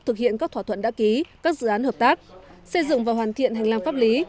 thực hiện các thỏa thuận đã ký các dự án hợp tác xây dựng và hoàn thiện hành lang pháp lý